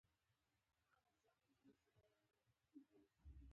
حسن اراده جلوه نما ده